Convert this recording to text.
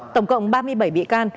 tổng cộng ba mươi bảy bị can